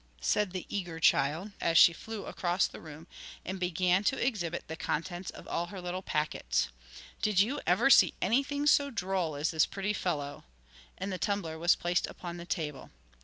said the eager child, as she flew across the room, and began to exhibit the contents of all her little packets, 'did you ever see anything so droll as this pretty fellow?' And the tumbler was placed upon the table.